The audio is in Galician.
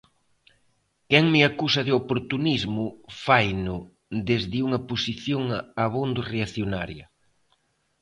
Quen me acusa de oportunismo faino desde unha posición abondo reaccionaria.